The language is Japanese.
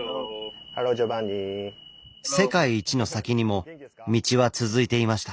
世界一の先にも道は続いていました。